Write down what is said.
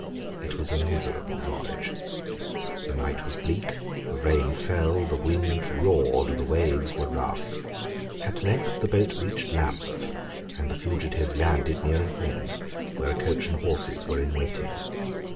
It was a miserable voyage. The night was bleak: the rain fell: the wind roared: the waves were rough: at length the boat reached Lambeth; and the fugitives landed near an inn, where a coach and horses were in waiting.